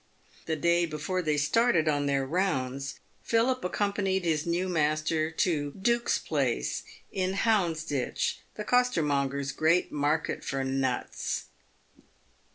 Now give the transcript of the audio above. The day before they started on their rounds, Philip accompanied his new master to Duke's place, in Houndsditch, the costermongers' great market for nuts.